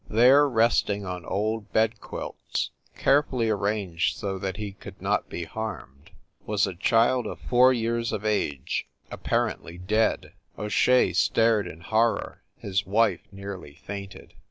There, resting on old bed quilts, carefully ar ranged so that he could not be harmed, was a child of four years of age apparently dead. O Shea stared in horror; his wife nearly fainted.